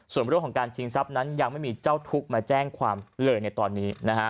ส่วนเรื่องของการชิงทรัพย์นั้นยังไม่มีเจ้าทุกข์มาแจ้งความเลยในตอนนี้